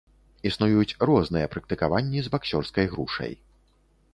Існуюць розныя практыкаванні з баксёрскай грушай.